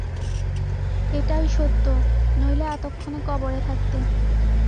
এটাই সত্য, নইলে এতক্ষনে কবরে থাকতে।